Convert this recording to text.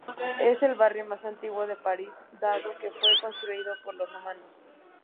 Es el barrio más antiguo de París dado que fue construido por los romanos.